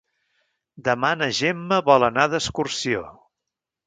Demà na Gemma vol anar d'excursió.